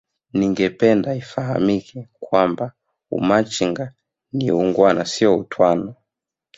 ningependa ifahamike kwamba Umachinga ni uungwana sio utwana